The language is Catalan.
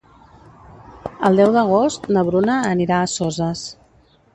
El deu d'agost na Bruna anirà a Soses.